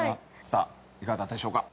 さあいかがだったでしょうか？